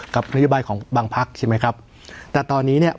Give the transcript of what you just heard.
กับนโยบายของบางพักใช่ไหมครับแต่ตอนนี้เนี่ย